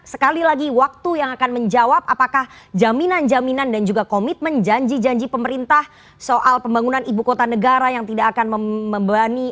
sekali lagi waktu yang akan menjawab apakah jaminan jaminan dan juga komitmen janji janji pemerintah soal pembangunan ibu kota negara yang tidak akan membebani